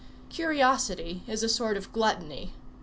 Curiosity is a sort of gluttony.